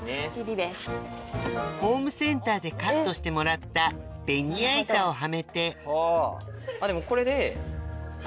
ホームセンターでカットしてもらったベニヤ板をはめてでもこれで。